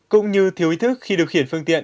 cũng như thiếu ý thức khi điều khiển phương tiện